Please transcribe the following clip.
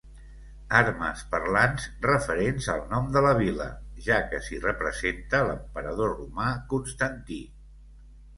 Armes parlants referents al nom de la vila, ja que s'hi representa l'emperador romà Constantí.